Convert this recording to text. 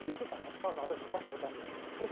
私漏らしたことあるんですよ」みたいな。